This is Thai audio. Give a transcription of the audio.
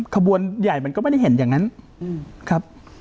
ขบวนใหญ่มันก็ไม่ได้เห็นอย่างนั้นครับ